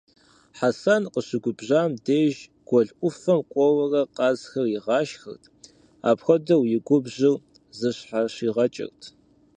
Хьэсэн къыщыгубжьам деж, гуэл ӏуфэм кӏуэурэ къазхэр игъашхэрт, апхуэдэу и губжьыр зыщхьэщигъэкӏырт.